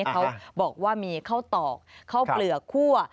เขาบอกว่ามีข้าวตอกข้าวเปลือกคั่ว